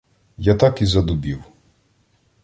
Я так і задубів.